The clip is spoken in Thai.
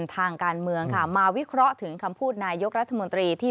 ทางการเมืองค่ะมาวิเคราะห์ถึงคำพูดนายกรัฐมนตรีที่